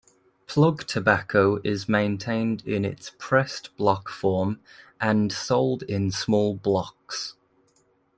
Plug tobacco is maintained in its pressed block form and sold in small blocks.